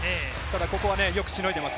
ここはよくしのいでいます。